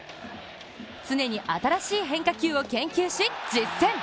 常に新しい変化球を研究し、実践。